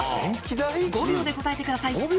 ５秒で答えてください